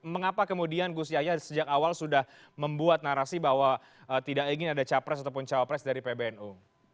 mengapa kemudian gus yahya sejak awal sudah membuat narasi bahwa tidak ingin ada capres ataupun cawapres dari pbnu